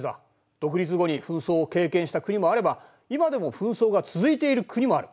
独立後に紛争を経験した国もあれば今でも紛争が続いている国もある。